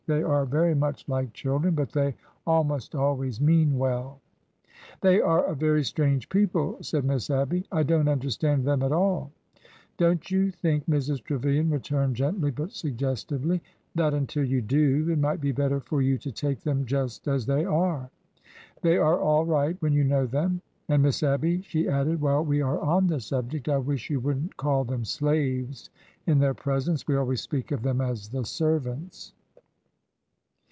They are very much like children, but they almost always mean well." '' They are a very strange people," said Miss Abby. '' I don't understand them at all." ''Don't you think," Mrs. Trevilian returned gently but suggestively, " that until you do, it might be better for you to take them just as they are? They are all right when you know them. And, Miss Abby," she added, " while we are on the subject— I wish you would n't call them ' slaves ' in their presence. We always speak of them as the servants."